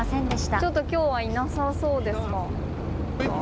ちょっと、きょうはいなさそうですか。